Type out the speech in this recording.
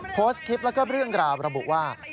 โพสต์คลิปแล้วก็เรื่องราวระบุว่า